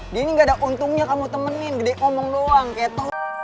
dia ini gak ada untungnya kamu temenin gede ngomong doang keto